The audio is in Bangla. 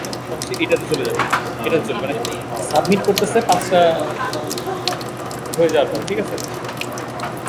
প্রাক-নির্বাসন ইজরায়েল তার প্রতিবেশীদের মতই বহু-ঈশ্বরবাদী ছিল, এবং ইজরায়েলীয় একেশ্বরবাদ ছিল অনন্য ঐতিহাসিক পরিস্থিতির ফলস্বরূপ।